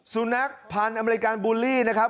สุนัขพันธ์อเมริกาบูลลี่นะครับ